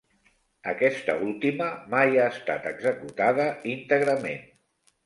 Aquesta última mai ha estat executada íntegrament.